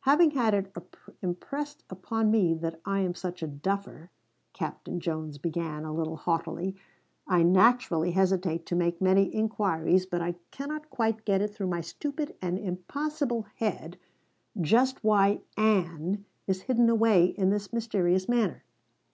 "Having had it impressed upon me that I am such a duffer," Captain Jones began, a little haughtily, "I naturally hesitate to make many inquiries, but I cannot quite get it through my stupid and impossible head just why 'Ann' is hidden away in this mysterious manner."